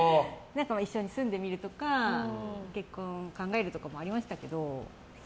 一緒に住んでみるとか、結婚を考えるとかもありましたけど。